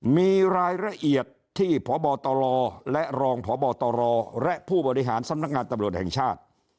มีรายละเอียดที่พบตรและรองพบตรและผู้บริหารสำนักงานตำรวจแห่งชาติ